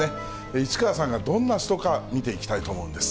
市川さんがどんな人か、見ていきたいと思うんです。